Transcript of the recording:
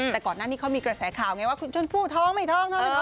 แต่ก่อนหน้านี้เขามีกระแสข่าวไงว่าคุณชมพู่ท้องไม่ท้องท้อง